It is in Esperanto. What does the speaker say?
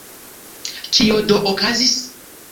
Kio do okazis?